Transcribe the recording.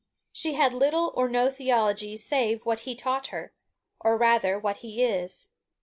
She had little or no theology save what he taught her, or rather, what he is.